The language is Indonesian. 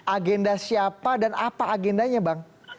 agenda siapa dan apa agendanya bang